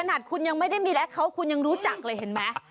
ขนาดคุณยังไม่ได้มีแอคเคาน์คุณยังรู้จักเลยเห็นไหม